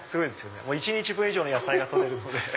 一日分以上の野菜が取れるので。